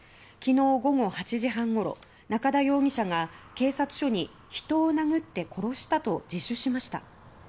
昨日午後８時半ごろ中田容疑者が警察署に人を殴って殺したと自首しました。